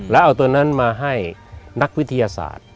แล้วเอาตัวนั้นมาให้นักวิทยาศาสตร์